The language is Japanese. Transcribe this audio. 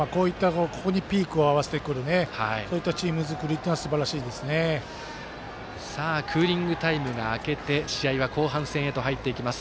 ここにピークを合わせてくるそういったチーム作りがクーリングタイムが明けて試合は後半戦へと入っていきます。